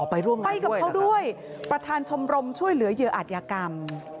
ไปกับเขาด้วยประธานชมรมช่วยเหลือเยอะอาทยากรรม